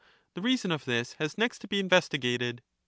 The reason of this ^^J^^* has next to be investigated.